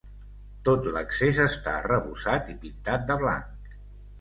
Tot l'accés està arrebossat i pintat de blanc.